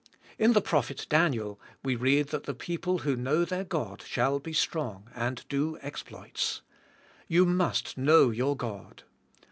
In the prophet Daniel we read that people who know their God shall be strong and do exploits. You must know your God.